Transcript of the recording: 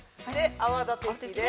泡立て器で。